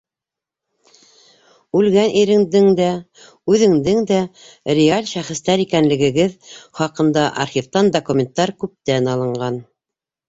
Үлгән иреңдең дә, үҙеңдең дә реаль шәхестәр икәнлегегеҙ хаҡында архивтан документтар күптән алынған.